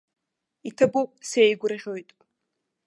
Иҭабуп, сеигәырӷьоит!